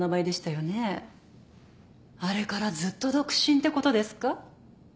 あれからずっと独身ってことですか？